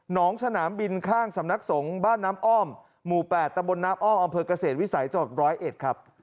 หนองสนามบินข้างสำนักสงฆ์บ้านน้ำอ้อมหมู่๘ตะบนน้ำอ้อมอกเศรษฐ์วิสัยจร้อยเอ็ด